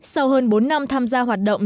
sau hơn bốn năm tham gia hoạt động